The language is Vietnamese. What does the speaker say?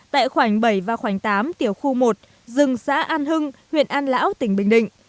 tại khoảnh bảy và khoảnh tám tiểu khu một rừng xã an hưng huyện an lão tỉnh bình định